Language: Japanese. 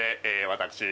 私